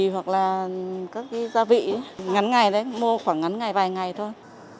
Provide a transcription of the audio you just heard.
và các cái gia vị ngắn ngày đấy mua khoảng ngắn ngày vài ngày thôi